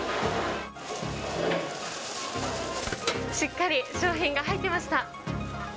しっかり商品が入ってました。